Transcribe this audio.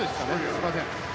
すみません。